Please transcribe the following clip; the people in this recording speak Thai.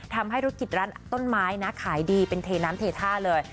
ทำให้ธุรกิจร้านต้นไม้นะขายดีเป็นเทน้ำเทท่าเลย